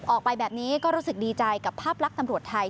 ออกไปแบบนี้ก็รู้สึกดีใจกับภาพลักษณ์ตำรวจไทย